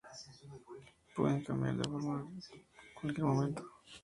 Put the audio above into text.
Pueden cambiar de forma en cualquier momento.